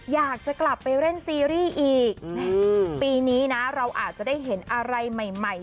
อยากจะกลับไปเล่นซีรีส์อีกปีนี้นะเราอาจจะได้เห็นอะไรใหม่ใหม่